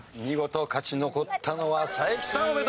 見事勝ち残ったのは才木さん。